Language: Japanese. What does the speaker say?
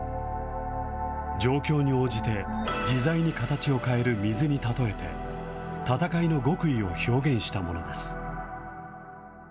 状況に応じて自在に形を変える水に例えて、戦いの極意を表現したものです。